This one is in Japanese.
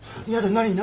何？